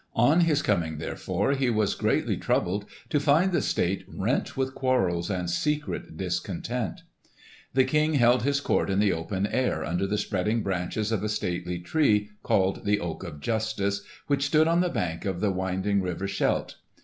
On his coming, therefore, he was greatly troubled to find the state rent with quarrels and secret discontent. The King held his court in the open air, under the spreading branches of a stately tree, called the "Oak of Justice," which stood on the bank of the winding river Scheldt.